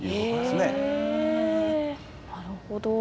なるほど。